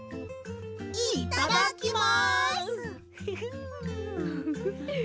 いっただきます！